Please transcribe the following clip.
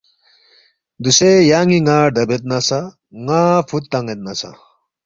دوسے یان٘ی ن٘ا ردبید نہ سہ ن٘ا فُود تان٘ید نہ سہ